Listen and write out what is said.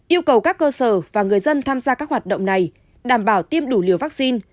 yêu cầu các cơ sở và người dân tham gia các hoạt động này đảm bảo tiêm đủ liều vaccine